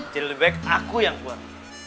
jadi lebih baik aku yang keluar